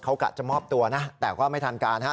เขากะจะมอบตัวนะแต่ก็ไม่ทันการฮะ